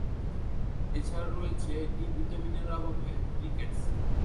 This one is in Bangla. এছাড়া রয়েছে ‘ডি’ ভিটামিনের অভাবে রিকেটস।